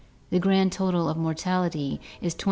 The grand total of mortality is 24,878.